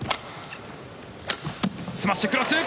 スマッシュクロス。